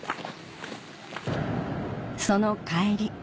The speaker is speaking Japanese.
その帰り